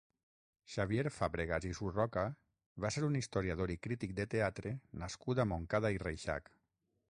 Xavier Fàbregas i Surroca va ser un historiador i crític de teatre nascut a Montcada i Reixac.